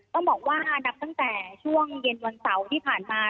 ต้องบอกว่านับตั้งแต่ช่วงเย็นวันเสาร์ที่ผ่านมา